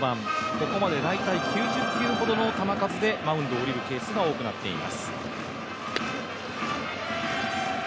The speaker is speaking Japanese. ここまで大体９０球ほどの球数で、マウンドを降りるケースが多くなってきています。